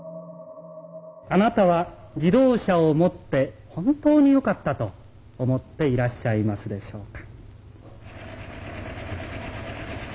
あなたは自動車を持って本当によかったと思っていらっしゃいますでしょうか？